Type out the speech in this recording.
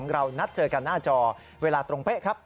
เรานัดเจอกันหน้าจอเวลาตรงเป๊ะครับ